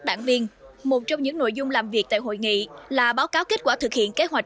đảng viên một trong những nội dung làm việc tại hội nghị là báo cáo kết quả thực hiện kế hoạch